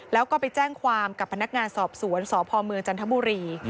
แล้วก็ไปแจ้งความกับพนักงานสอบสวนสพเมืองจันทบุรี